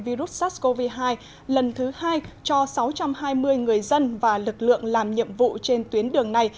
virus sars cov hai lần thứ hai cho sáu trăm hai mươi người dân và lực lượng làm nhiệm vụ trên tuyến đường này